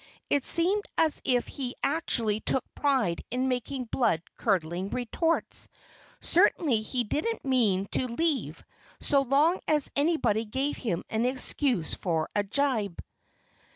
It seemed as if he actually took pride in making blood curdling retorts. Certainly he didn't mean to leave, so long as anybody gave him an excuse for a jibe.